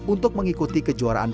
untuk mengikuti kejuaraan